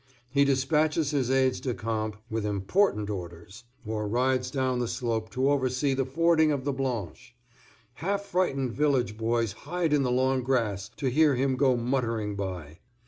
He despatches his aides de camp with important orders, or rides down the slope to oversee the fording of the Blanche. Half frightened village boys hide in the long grass to hear him go muttering by.